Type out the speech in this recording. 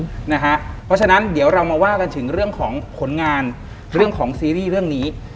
เพราะฉะนั้นว่ากันเรื่องของผลงานเรื่องของซีรีย์เรื่องนี้